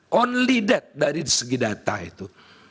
hanya itu dari segi data itu